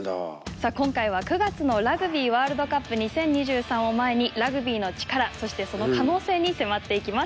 さあ今回は９月のラグビーワールドカップ２０２３を前にラグビーのチカラそしてその可能性に迫っていきます。